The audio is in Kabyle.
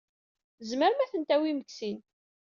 Tzemrem ad ten-tawim deg sin.